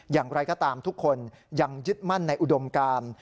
อย่างไรก็ตามทุกคนยังยึดมั่นในอุดมการ